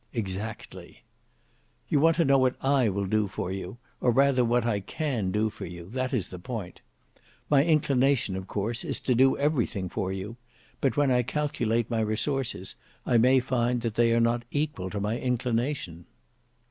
"Exactly." "You want to know what I will do for you, or rather what I can do for you; that is the point. My inclination of course is to do everything for you; but when I calculate my resources, I may find that they are not equal to my inclination."